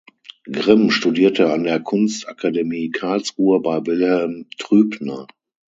Grimm studierte an der Kunstakademie Karlsruhe bei Wilhelm Trübner.